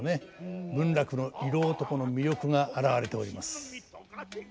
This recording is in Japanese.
文楽の色男の魅力が現れております。